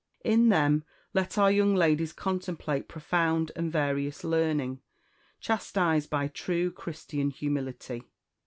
In them let our young ladies contemplate profound and various learning, chastised by true Christian humility.